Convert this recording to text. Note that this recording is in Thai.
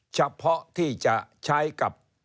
เฉพาะที่จะใช้กับ